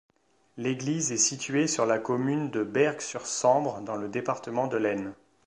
L'église est située sur la commune de Bergues-sur-Sambre, dans le département de l'Aisne.